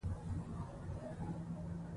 دا ونډه د ګډ مسؤلیت احساس رامینځته کوي.